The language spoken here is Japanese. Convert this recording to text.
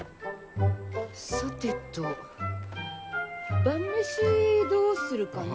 さてと晩飯どうするかね？